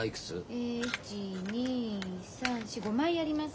え１２３４５枚あります。